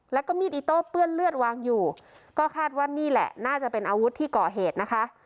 แล้วก็มีดอิโต้เปื้อนเลือดวางอยู่ก็คาดว่านี่แหละน่าจะเป็นอาวุธที่ก่อเหตุนะคะ